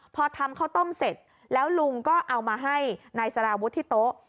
พอทำข้าวต้มเสร็จแล้วลุงก็เอามาให้นายสารวุฒิที่โต๊ะ